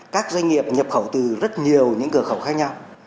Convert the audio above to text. các doanh nghiệp nhập khẩu từ rất nhiều những cửa khẩu khác nhau